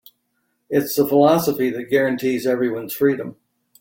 It's the philosophy that guarantees everyone's freedom.